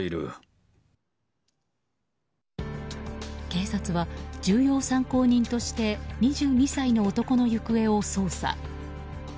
警察は重要参考人として２２歳の男の行方を捜査。